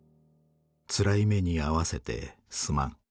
つらい目にあわせてすまん。